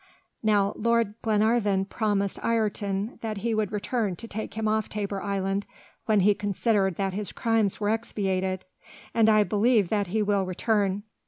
Now, Lord Glenarvan promised Ayrton that he would return to take him off Tabor Island when he considered that his crimes were expiated, and I believe that he will return."